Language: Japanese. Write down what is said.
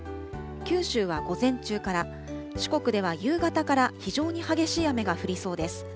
九州は午前中から、四国では夕方から非常に激しい雨が降りそうです。